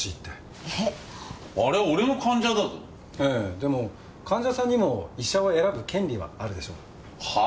でも患者さんにも医者を選ぶ権利はあるでしょう。はあ？